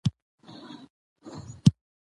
افغانستان د آب وهوا له پلوه ځانګړتیاوې لري.